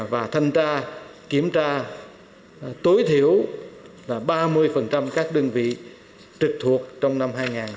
và thân ra kiểm tra tối thiểu ba mươi các đơn vị trực thuộc trong năm hai nghìn một mươi bảy